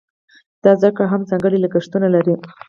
دا زده کړه هم ځانګړي لګښتونه لري.